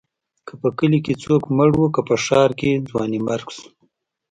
که په کلي کې څوک مړ و، که په ښار کې ځوانيمرګ شو.